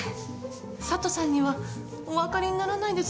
佐都さんにはお分かりにならないですよね。